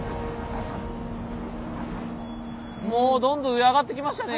もうどんどん上上がってきましたね。